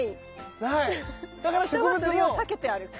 人がそれを避けて歩く。